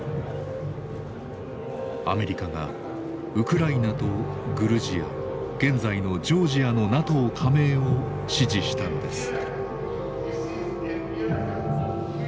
アメリカがウクライナとグルジア現在のジョージアのＮＡＴＯ加盟を支持したのです。